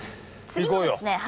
行こうよ！